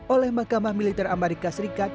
oleh mahkamah militer amerika serikat